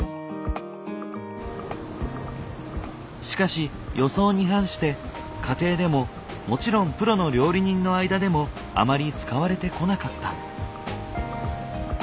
しかし予想に反して家庭でももちろんプロの料理人の間でもあまり使われてこなかった。